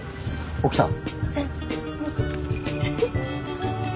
起きたの？